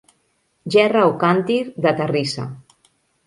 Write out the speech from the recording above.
Gerra o càntir de terrissa.